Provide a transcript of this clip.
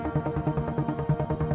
ya udah gue jalanin dulu